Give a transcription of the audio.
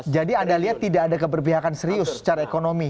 jadi anda lihat tidak ada keberpihakan serius secara ekonomi